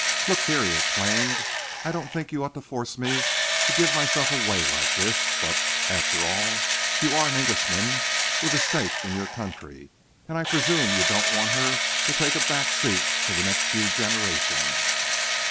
"Look here," he exclaimed, "I don't think you ought to force me to give myself away like this, but, after all, you are an Englishman, with a stake in your country, and I presume you don't want her to take a back seat for the next few generations.